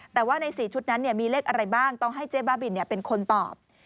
แต่ว่าใน๔ชุดนั้นมีเลขอะไรบ้างต้องให้เจ๊บ้าบินเป็นคนตอบ